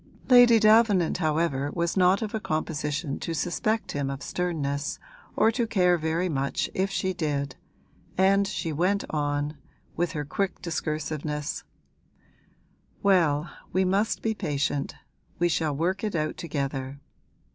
Lady Davenant, however, was not of a composition to suspect him of sternness or to care very much if she did, and she went on, with her quick discursiveness: 'Well, we must be patient; we shall work it out together.